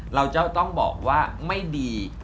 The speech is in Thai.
เราจะต้องบอกว่าไม่ดี